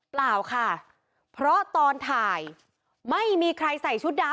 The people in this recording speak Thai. เปล่าค่ะเพราะตอนถ่ายไม่มีใครใส่ชุดดำ